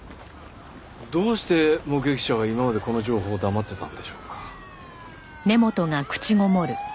どうして目撃者は今までこの情報を黙ってたんでしょうか？